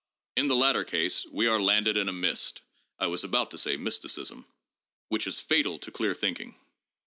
In the latter case we are landed in a mist (I was about to say 'mysticism') which is fatal to clear think ing.